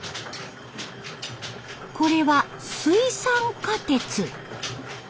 これは水酸化鉄。